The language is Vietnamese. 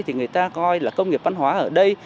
thì người ta coi là công nghiệp văn hóa ở đây